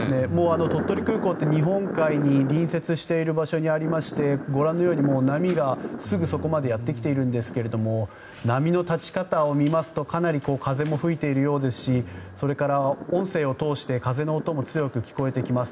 鳥取空港って日本海に隣接している場所にありましてご覧のように波がすぐそこまでやってきているんですが波の立ち方を見ますとかなり風も吹いているようですしそれから音声を通して風の音も強く聞こえてきます。